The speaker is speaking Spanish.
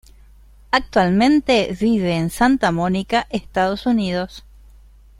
Actualmente vive en Santa Mónica, Estados Unidos.